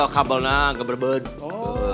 kabelnya gak berbeda